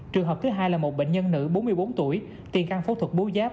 trường hợp thứ hai là một bệnh nhân nữ bốn mươi bốn tuổi tiền ăn phẫu thuật bố giáp